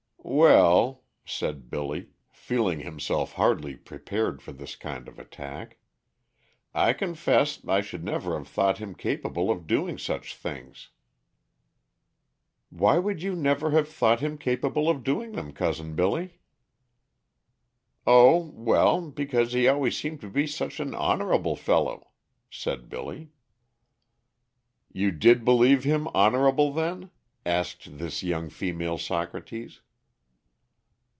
"Well," said Billy, feeling himself hardly prepared for this kind of attack, "I confess I should never have thought him capable of doing such things." "Why would you never have thought him capable of doing them, Cousin Billy?" "O well, because he always seemed to be such an honorable fellow," said Billy. "You did believe him honorable, then?" asked this young female Socrates.